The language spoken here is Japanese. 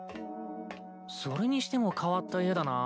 それにしても変わった家だなぁ。